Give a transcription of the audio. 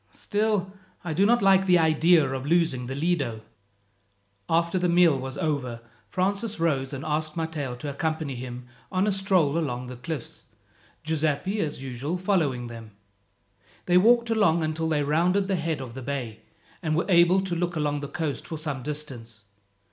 "Still, I do not like the idea of losing the Lido." After the meal was over Francis rose, and asked Matteo to accompany him on a stroll along the cliffs, Giuseppi as usual following them. They walked along until they rounded the head of the bay, and were able to look along the coast for some distance.